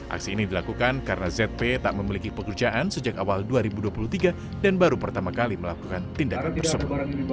aksi ini dilakukan karena zp tak memiliki pekerjaan sejak awal dua ribu dua puluh tiga dan baru pertama kali melakukan tindakan tersebut